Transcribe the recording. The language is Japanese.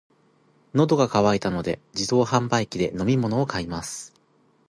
喉が渇いたので、自動販売機で飲み物を買います。